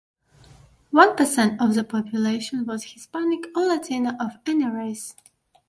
One percent of the population was Hispanic or Latino of any race.